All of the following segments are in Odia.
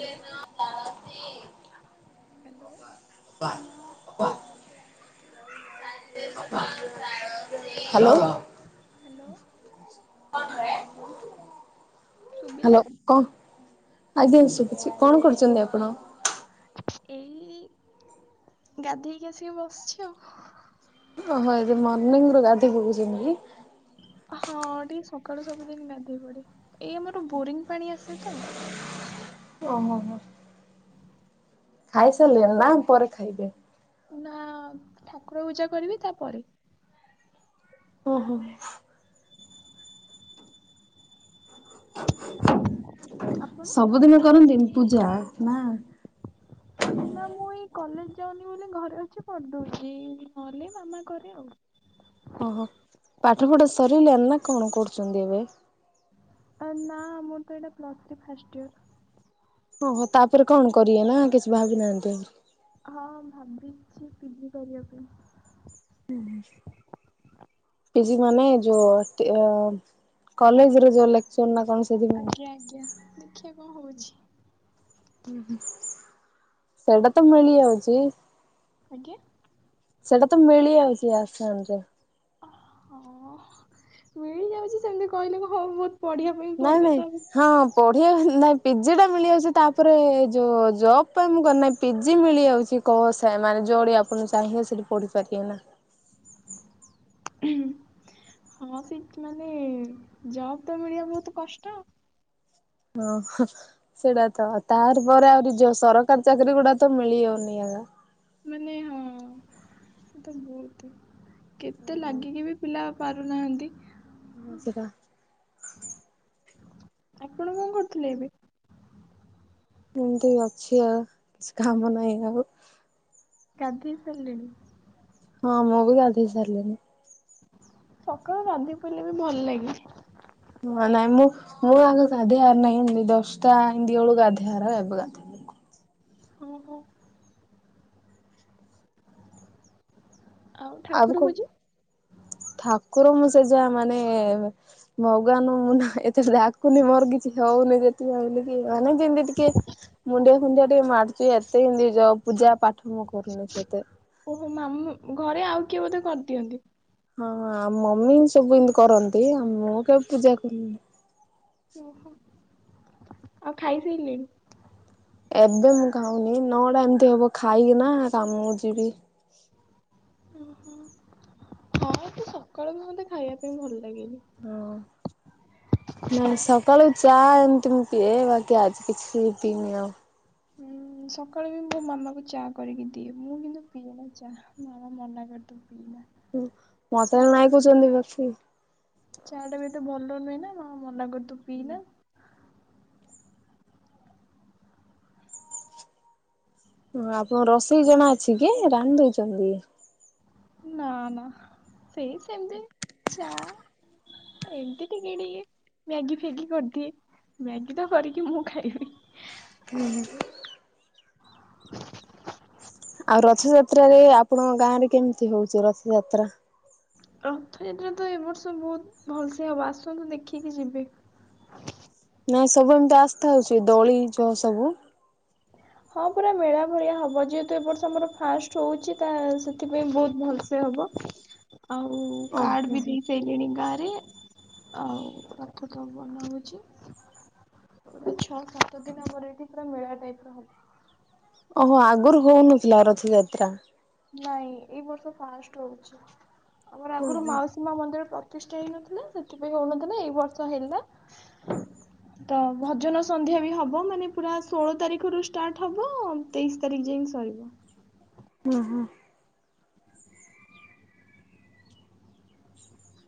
ଘେନ ହ୍ୟାଲୋ କାଳତି। ହ୍ୟାଲୋ। ଅପା ଅପା। [unintelligible] Hello hello. ଶୁଭିଲା? ହ୍ୟାଲୋ କ। ଆଜ୍ଞା ଶୁଭୁଛି କଣ କରୁଛନ୍ତି ଆପଣ? ଏଇ ଗାଧେଇକି ଆସିକି ବସିଛି ଆଉ। ଓହ ଏବେ ମର୍ନିଂ ରୁ ଗାଧେଇ ପଡୁଛନ୍ତି ହିଁ। ହଁ ଟିକେ ସକାଳୁ ସବୁଦିନ ଗାଧେଇ ପଡେ। ଏଇ ଆମର ବୋରିଂ ପାଣି ଆସେ ତ। ଓହୋ ହୋ। ଖାଇ ସାରିଲେ ନା ପରେ ଖାଇବେ? ନାଁ। ଠାକୁର ପୂଜା କରିବି ତାପରେ। ଓହୋ। ଆପଣ? ସବୁଦିନ କରନ୍ତିନି ପୂଜା ନାଁ? ନା ମୁଁ ଏଇ କଲେଜେ ଯାଉନି ବୋଲି ଘରେ ଅଛି କରିଦଉଛି ନହଲେ ମାମା କରେ ଆଉ। ଓହୋ। ପାଠ ପଢା ସରିଲାଣି ନା କଣ କରୁଛନ୍ତି ଏବେ? ଆରେ ନା ମୋର ତ ଏଇଟା ପ୍ଲସ ଥ୍ରୀ ଫାଷ୍ଟ ଇୟର। ଓହୋ ତାପରେ କଣ କରିବେ? ନା କିଛି ଭାବି ନାହାନ୍ତି। ହଁ ଭାବିଛି ପିଜି କରିବା ପାଇଁ। ପିଜି ମାନେ ଯୋଉ [inaudible] କଲେଜରେ ଯୋଉ ଲେକ୍ଚର ନା କଣ ସେଥି ଆଜ୍ଞା ଆଜ୍ଞା। ଦେଖିବା କଣ ହଉଛି? ହୁ ହୁ ସେଇଟା ତ ମିଳିଯାଉଛି। ଆଜ୍ଞା। ସେଇଟା ତ ମିଳି ଯାଉଛି ଆସାମରେ। ହଁ ମିଳିଯାଉଛି ସେମିତି କହିଲେ କ ହଁ ବହୁତ ପଢ଼ିଆ। ନା ନାଇଁ। ହଁ ପଢିବାଆ ନାଇ ପିଜି ଟା ମିଳିଯାଉଛି ତାପରେ ଯୋଉ ଜବ୍ ପାଇଁ ମୁଁ କରିନହିଁ ପିଜି ମିଳିଯାଉଛି କହସ ମାନେ ଯୋଁଠି ଆପଣ ଚାହିଁ ସେଠି ପଢିପାରିବେ ନା? ହଁ ସେଇ ମାନେ ଜବ୍ ତ ମିଳିବା ବହୁତ କଷ୍ଟ। ଓଃ। ସେଇଟା ତ ତାର ପରେରେ ଆହୁରି ଯଉ ସରକାରୀ ଚାକିରରି ଗୁଡା ତ ମିଳିହଉନି ଏକା। ମାନେ ହଁ ସେଟା ବହୁତ କେତେ ଲାଗିକି ବି ପିଲା ପାରୁନାହାନ୍ତି। ହ ସିଟା। ଆପଣ କଣ କରୁଥିଲେ ଏବେ? ଏମିତି ଅଛି ଆଉ କିଛି କାମ ନାହିଁ ଆଉ। ଗାଧେଇ ସାରିଲେଣି? ହଁ ମୁଁ ବି ଗାଧେଇ ସାରିଲିନି। ସକାଳୁ ଗାନ୍ଧି ପଇଲେ ବି ଭଲ ଲାଗେ। ହଁ ନାଇଁ ମୁଁ ମୁଁ ଆଗ ଗାଧେ ଆାର ନାହିଁ ଏମିତି ଦଶଟା ଏମିତିଳ ଗାଧା ଆହାର ଏବେ ଗାଧେ ହଁ ହ। ଆଉ ଠାକୁର ଭୋଜି। ଠାକୁର ମୁଁ ସେ ଯା ମାନେ। ଭଗବାନ ମୁନା ଏତେଳେ ଡାକୁୁନି ମରଗିଛି ହଉନି ଯେତିପାଇଁ ବୁଲିକି ମାନେ ଜିମିତି ଟିକେ। ମୁଣ୍ଡିଆ ଫୁଣ୍ଡିଆ ଟିକେ ମାରୁୁଚି ଏତେ ହି ନି ଯ ପୂଜା ପାଠ ମୁଁ କରୁନି ସେତେ। ଓହୋ ମାମା ଘରେ ଆଉ କିଏ ବୋଧେ କରିଦିଅନ୍ତି? ହଁ ଆମ ମମି ହିଁ ସବୁ ଏମିତି କରନ୍ତି ଆ ମୁଁ କେବେ ପୂଜା କରି ଓହୋ। ଆଉ ଖାଇସାରିଲେଣି? ଏବେ ମୁଁ ଖାଉନି ନଅଟା ଏମିତି ହବ ଖାଇକି ନା କାମକୁ ଯିବି। ହୁଁ ହୁଁ। [unintelligible] ସକାଳ ମୋତେ ଖାଇବା ପାଇଁ ଭଲ ଲାଗେନି। ହଁ। ନାଇ ସକାଳୁ ଚା ଏମିତି ମୁଁ ପିଏ ବାକି ଆଜି କିଛି ପିଇନି ଆଉ। ହୁଁ। ସକାଳୁ ବି ମୋ ମାମାକୁ ଚା କରିକି ଦିଏ ମୁଁ କିନ୍ତୁ ପିଏ ନା ଚା ମାମା ମନା କରି ତୁ ପିଇଏନା। ହୁଁ ମତେ ନାଇଁ କହୁଛନ୍ତି ବାସିି ଚା ଟା ବି ଏତେ ଭଲ ନୁହେଁ ନା ମା ମନା କର ତୁ ପିଇନା। ହଁ ଆପଣଙ୍କ ରୋଷେଇ ଜଣା ଅଛି କି ରାଧ ଦେଇଛନ୍ତି। ନା ନା ସେଇ ସେମିତି ଚା। ଏମିତି ଟିକେ ଟିକେ ମ୍ୟାଗି ଫ୍ୟାଗି କରିଦିଏ। ମ୍ୟାଗି ତ କରିକି ମୁଁ ଖାଇବି, ଆଉ ଆଉ ରଥଯାତ୍ରାରେ ଆପଣଙ୍କ ଗାଁ ରେ କେମିତି ହଉଛି ରଥଯାତ୍ରା? ରଥଯାତ୍ରା ତ ଏ ବର୍ଷ ବହୁତ ଭଲସେ ହବ ଆସନ୍ତୁ ଦେଖିକି ଯିବେ। ନାଇଁ ସବୁ ଏମିତି ଆସ୍ଥା ହଉଛି ଦଳି ଜ ସବୁ ହଁ ପୁରା ମେଳା ଭଳିଆ ହବ, ଯେହେତୁ ଏ ବର୍ଷ ଆମର ଫାଷ୍ଟ ହଉଛି ତା ସେଥିପାଇଁ ବହୁତ ଭଲସେ ହବ। ଆଉ କାର୍ଡ ବି ଓହୋ ଦେଇ ସାରିଲଣି ଗାଁ ରେ, ଆଉ ରଖ ତ ଭଲ ହଉଛି ଛଅ ସାତ ଦିନ ପରେ ଏଠି ପୁରା ମେଳା ଟାଇପ ର ହବ। ଓହୋ ଆଗରୁ ହୋଉନଥିଲା ରଥଯାତ୍ରା? ନାଇଁ ଏଇ ବର୍ଷ ଫାଷ୍ଟ ହୋଉଚି, ଆମର ଆଗରୁ ମାଉସୀ ମା ମନ୍ଦିର ପ୍ରତିଷ୍ଠା ହେଇନଥିଲା ସେଥିପାଇଁ ହଉନଥିଲା ଏଇ ବର୍ଷ ହେଲା। ତ ଭଜନ ସନ୍ଧ୍ୟା ବି ହେବ ମାନେ ପୁରା ଷୋହଳ ତାରିଖରୁ ଷ୍ଟାର୍ଟ ହେବ ତେଇଶି ତାରିଖ ଯାଇକି ସରିବ। ହଁ ହଁ।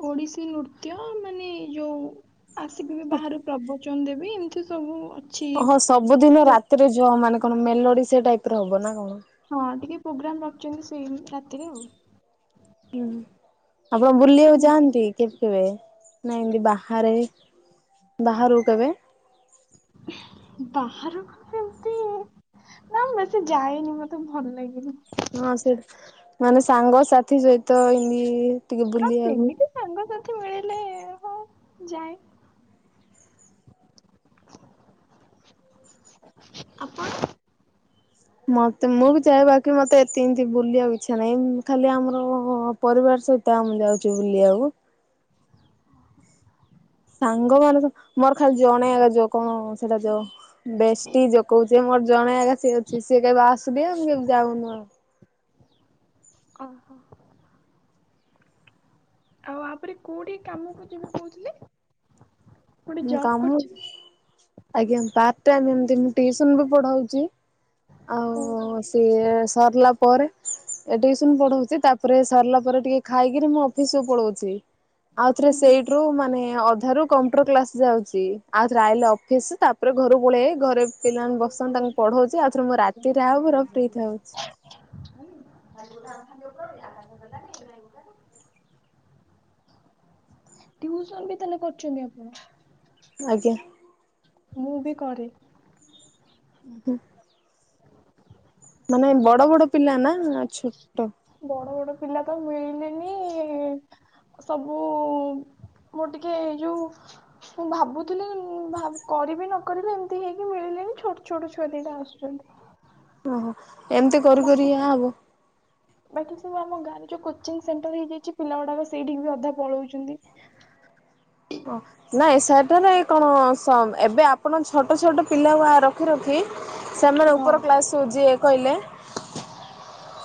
ଓଡିଶୀ ନୃତ୍ୟ ମାନେ ଯୋଉ ଆସିକି ବି ବାହାରୁ ପ୍ରବ ଦେବି ଏମିତି ସବୁ ଅଛି। ଓହଁ ସବୁଦିନ ରାତିରେ ଯଅ ମାନେ କଣ ମେଲୋଡି ସେ ଟାଇପରେ ହବ ନା କଣ? ହଁ ଟିକେ ପ୍ରୋଗ୍ରାମ ରଖିଛନ୍ତି ସେଇ ରାତିକୁ। ହୁଁ ଆପଣ ବୁଲିବାକୁ ଆଉ। ଯାଆନ୍ତି କେ କେବେ ନା ଏମତି ବାହାରେ ବାହରକୁ କେବେ? ବାହାରକୁ କେମିତି ନା ମୁଁ ବେଶୀ ଯାଇନି ମତେ ଭଲ ଲାଗେନି। ହଁ ସେ ମାନେ ସାଙ୍ଗସାଥି ସହିତ ଏମିତି ଟିକେ ହଁ ବୁଲିବାକୁ ସେମିତି ସାଙ୍ଗସାଥି ମିଳିଲେ ହଁ ଯାଏ। ଆପଣ? ମତେ ମୁଁ ବି ଯାଏ କି ମତେ ଏମିତି ବୁଲିବାକୁ ଇଚ୍ଛା ନାହିଁ, ଖାଲି ଆମର ପରିବାର ସହିତ ଆମେ ଯାଉଛୁ ବୁଲିବାକୁ। ସାଙ୍ଗ ମାନ ତ ମୋର ଖାଲି ଜଣେ ଯୋଉ କଣ ସେଇଟା ଯ ବେଷ୍ଟି ଜୋ କୋହୁଚେ ମୋର ଜଣେ ଆସି ଅଛି, ସିଏ କେବେ ଆସୁନି ଆମେ କେବେ ଯାଉନୁ ଆଉ। ଓହୋ। ଆଉ ଆ ପରେ କୋଉଠି କାମକୁ ଯିବା କହୁଥିଲେ? କୋଉଠି ମୁଁ ଜବ୍ କାମୁ କରିଛନ୍ତି? ଆଜ୍ଞା [unintelligible] ଟାଇମ ମୁ ଏମିତି ବି ଟିଉସନ ପଢଉଛି। ଓହୋ ଆଉ ସିଏ ସରିଲା ପରେ ଏ ଟିଉସନ ପଢଉଛି ତାପରେ ସରିଲା ପରେ ଟିକେ ଖାଇକିରି ମୁଁ ଅଫିସି କୁ ପଳଉଛି। ଆଉ ସେଇ ଥିରୁ ରୁ ମାନେ ଅଧା ରୁ କମ୍ପୁଟର କ୍ଲାସ ଯାଉଛି ଆଉଥରେ ଆଇଲ ଅଫିସ ତାପରେ ଘରୁ ପଳେଇ ଘରେ ପିଲାମାନେ ବସନ୍ତି ତାଙ୍କୁ ପଢଉଛି ଆଉ ଥରେ ମୁଁ ରାତିରେ ଆଉ [unintelligible] [inaudible] ଟିଉସନ ବି ତାହେଲେ କରୁଛନ୍ତି ଆପଣ? ଆଜ୍ଞା। ମୁଁ ବି କରେ। ହୁଁ। ମାନେ ବଡ ବଡ ପିଲା ନା ଛୋ ବଡ ବଡ ପିଲା ତ ମିଳିଲେନି। ସବୁ ମୁଁ ଟିକେ ଯୋଉ ମୁଁ ଭାବୁଥିଲି ଭା କରିବି ନ କରିବି ଏମିତି ହେଇକି ମିଳିଲେନି ଛୋଟ ଛୋଟ ଛୁଆ ଦିଟା ଆସୁଚନ୍ତି। ଓହୋ ଏମିତି କରି କରି ବାକି ଇହା ହବ। ବାକି ସବୁ ଆମ ଗାଁରେ ଯୋଉ କୋଚିଂ ସେଣ୍ଟର ହେଇଯାଇଚି ପିଲା ଗୁଡାକ ସେଇଠିକି ବି ଅଧା ପଳଉଚନ୍ତି। ଓ ହୋ ନାଇଁ ସେଠାରେ କଣ ସୁଣ ଏବେ ଆପଣ ଛୋଟ ଛୋଟ ପିଲାଙ୍କୁ ଏକିରଖି ରଖି ସେମାନେ ଉପର ହଉ। କ୍ଲାସ କୁଯିବେ କଇଲେ।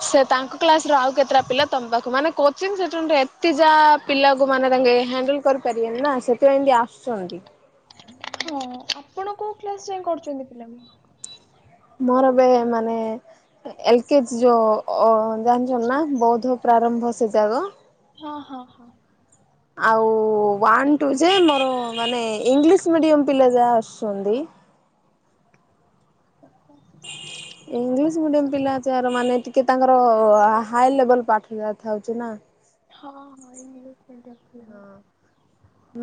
ସେ ତାଙ୍କ କ୍ଲାସ ରୁ ଆଉ କେତେଟା ପିଲା ତମ ପାଖକୁ ମାନେ କୋଚିଂ ସେଣ୍ଟର ଏତେ ଯାମ୍ ପିଲାକୁ ମାନେ ତାଙ୍କେ ହ୍ୟାଣ୍ଡଲ କରିପାରିବେନି ନା ସେଥିପାଇଁ ଆସହରି। ହଁ ଆପଣ କୋଉ କ୍ଲାସ ଯାଏ କରୁଚନ୍ତି ପିଲାଙ୍କୁ? ମୋର ଏବେ ମାନେ ଏଲ୍ କେଜି ଯୋଉ ଅ ଜାଣିଚ ନା ବୌଦ୍ଧ ପ୍ରାରମ୍ଭ ସେ ଯାଗ? ହଁ ହଁ ହଁ। ଆଉ ୱାନ ଟୁ ଯେ ମୋର ମାନେ ଇଂଲିଶ ମିଡିୟମୂ ପିଲା ଯାହା ଆସିସନ୍ତି। ଓହ। ଇଂଲିଶ୍ ମିଡିୟମ୍ ପିଲା ଅଛି ଏଆର ମାନେ କି ତାଙ୍କର ହାଇ ଲେବଲ୍ ପାଠ ଯାକ ଥାଉଚି ନା? ହଁ ହଁ ଇଂଲିଶ୍ ମିଡ଼ିୟମ୍ ପିଲା।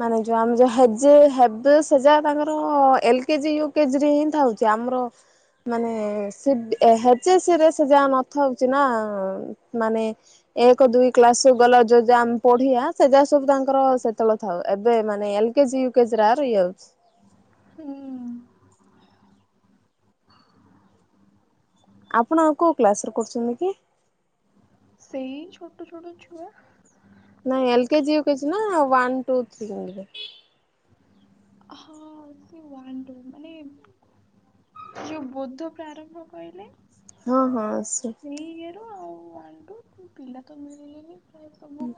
ମାନେ ଯୋଉ ଆମେ ଯା [inaudible] ତାଙ୍କର ଏଲ କେଜି ୟୁ କେଜିରେ ହିଁ ଥାଇ। ଚ୍ୟାମର ମାନେ ଏହ [inaudible] ସେ ଯାହା ନଥାଉଚି ନା ମାନେ ଏକ ଦୁଇ କ୍ଲାସ ଗଲା ଯୋଉ ଯାହା ଆମେ ପଢିିବା ସେ ଯୋ ସବୁ ତାଙ୍କର ସେତେବେଳେ ଥାଉ ଏବେ ମାନେ ଏଲ କେଜି ଇୟୁ କେଜି ଏକା ଥାଉଚି। ହୁଁ ଆପଣ କୋଉ କ୍ଲାସରେ କରୁଚନ୍ତି କି? ସେଇ ଛୋଟ ଛୋଟ ଛୁଆ। ନାଇଁ ଏଲ୍ କେଜି ଇୟୁ କେଜି ନା ୱାନ ଟୁ ଥ୍ରି [inaudible] ହଁ ସେଇ ୱାନ୍ ଟୁ ମାନେ ଯୋଉ ବୋଧ ପ୍ରାରମ୍ଭ କହିଲେ। ହଁ ହଁ ସେ ସେଇ ଇଏରୁ ଆଉ ୱାନ୍ ଟୁ ପିଲା ତ ମିଳିଲେନି। ସେ ସବୁ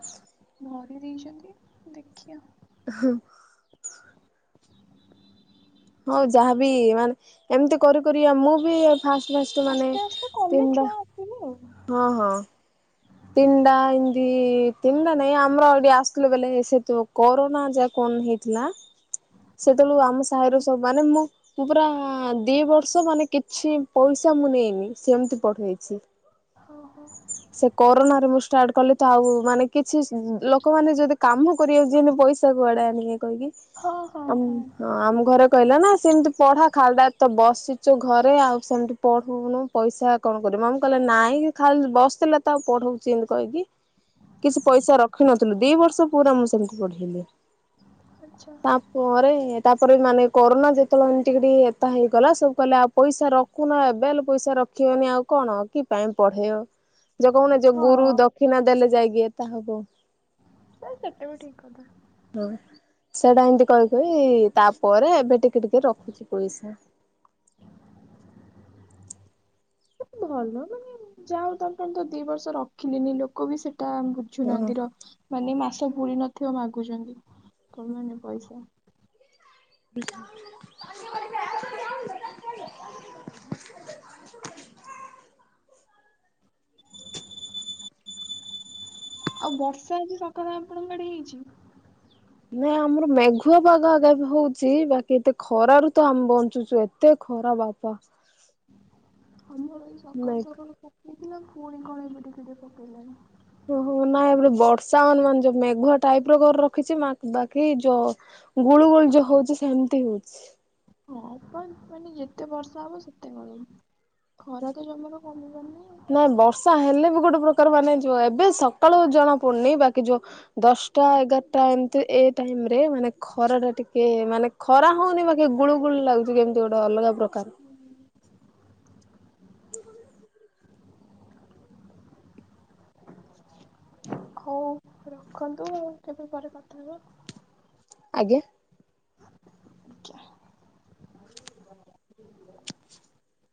ଭରି ଦେଇଚନ୍ତି ଦେଖିିଆ। ଅ ହଁ ହଉ ଯାହାବି ମାନେ ଏମିତି କରି କରିଆ ମୁଁ ବି ଫାଷ୍ଟ ଫାଷ୍ଟ ମାନେ ତୁଣ୍ଡ କିମିର। ହଁ ହଁ। ତିନିଣ୍ଡା ଏମିତି ତିନିଣ୍ଡା ନାଇଁ ଆମର ଏଠି ଆସୁଥିଲେ ବେଲେ ସେତୁ କୋରୋନା ଯାକ୍ ଫୋନ୍ ହେଇଥିଲା ସେତେବେଳୁ ଆମ ସାହିରୁ ସବୁ ମାନେ ମୁଁ ମୁଁ ପୁରା ଦି ବର୍ଷ ମାନେ କିଛି ପଇସା ମୁଁ ନେଇନି ସେମିତି ପଢେଇଚି। ହ ହଉ। ସେ କରୋନାରେ ମୁଁ ଷ୍ଟାର୍ଟ କଲି ତ ଆଉ ମାନେ କିଛି ଲୋକମାନେ ଯଦି କାମ କରିଆକୁ ଯିବେନି ପଇସା ପଇସା କୁଡେ ଆଣି ବେ କହିକି ହଁ ହଁ ଆମ୍ ହଁ ଆମ ଘର କହିଲା ନା ସେମିତି ପଢା ଖାଲିଟା ତ ବସିଚୁ ଘରେ ଆଉ ସେମିତି ପଢଉନୁ। ପଇସା କଁ କରିବୁ ମମି କଇଲା ନାଇଁ ଖାଲି ବସିଥିଲା ତ ଆଉ ପଢଉଚି ଏମିତି କହିକି କିଛି ପଇସା ରଖିନଥିଲୁ ଦି ବର୍ଷ ପୁରା ମୁଁ ସେମିତି ପଢେଇଲିି। ଆଛା। ପରେ ତାପରେ ମାନେ କରୋନା ଯେତେବେଳେ ଏମତି କରି ଏତେ ହେଇଗଲା ସବୁ କଇଲେ ଆଉ ପଇସା ର କୁନା ଏବେ ହେଲେ ପଇସା ରଖିବନି ଆଉ କଣ କି ପାଇଁ ପଢେଇବ। ଯୋଉ କହୁନ ଯୋଉ ଗୁରୁ ହଁ ଦକ୍ଷିଣା ଦେଲେ ଯାଇକି ଏତା ହବ। ଏ ସେଟ ବି ଠିକ କଥା। ହଁ ସେଟା ଏମିତି କହି କହି ତାପରେ ଏବେ ଟିକେ ଟିକେ ରଖୁଛି ପଇସା। [inaudible] ଭଲ ମାନେ ଯା ହୋ ତାଙ୍କୁ ତ ଦି ବର୍ଷ ରଖିଲେନି ଲୋକ ବି ସେଟା ଙ୍କୁ ହଁ। ପଝୁନାହାନ୍ତିର ମାନେ ମାସ ପୁରି ନଥିବ ମାଗୁଚନ୍ତି କଣ ମାନେ ପଇସା। [unintelligible] ଆଉ ବର୍ଷା ଆଜି ସଖାଳେ ଆପଣଙ୍କ ଆଡେ ହେଇଛି? ନାଇଁ ଆମର ମେଘୁଆ ପାଗ ଆଗ ହୋଉଚି ବାକି ଏତେ ଖରାରୁ ତ ଆମେ ବଞ୍ଚୁଛୁ ଏ ତେ ଖୋରା ବାପା। ଅମର ଏଇ ସକାଳୁ ନାଇଁ ସକାଳୁ ପକେଇଥିଲା ଫୁଣି କଣ ଏବେ ଟିକେ ଟିକେ ପକେଇଲାଣି। ଓହୋ ନାାଇଁ ଏ ବର୍ଷା ମାନେ ଯୋଉ ମେଘୁଆ ଟାଇପ୍ ର କରି ରଖିଚି ବାକି ଯ ଗୁଳୁ ଗୁଳି ଯୋଉ ହୋଉଚି ସେମିତି ହୋଉଚି। ହଁ ପା ମାନେ ଯେତେ ବର୍ଷା ହବ ସେତେ ଗରମ୍ ଖରା ତ ଜମାରୁ କମିିବାରନାହିଁ ଆଉ। ନାଇଁ ବର୍ଷା ହେଲେ ବି ଗୋଟେ ପ୍ରକାର ମାନେ ଯୋଉ ଏବେ ସକାଳୁ ଜଣା ପଡୁନି ବାକି ଯୋ ଦଶ୍ଟା ଏଗାର୍ଟା ଏମ୍ତି ଏ ଟାଇମରେ ମାନେ ଖ ଖରା ଟା ଟିକେ ମାନେ ଖରା ହୋଉନି ବାକି ଗୁଳୁ ଗୁଳିୁ ଲାଗୁଚି କେମିତି ଗୋଟେ ଅଲଗା ପ୍ରକାର। ହୋଉ ରଖନ୍ତୁ ଆଉ କେବେ ପରେ କଥା ହେବା। ଆଜ୍ଞା। ଆଜ୍ଞା।